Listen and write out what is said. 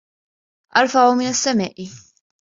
أرفع من السماء